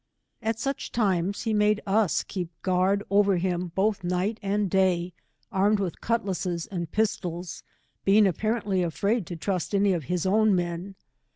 At such times, he made us keep guard over him both night and day, armed with cutlasses and pistols, being apparently afraid to trust any of his own men.